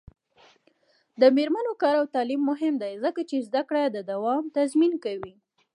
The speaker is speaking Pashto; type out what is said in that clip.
د میرمنو کار او تعلیم مهم دی ځکه چې زدکړو دوام تضمین کوي.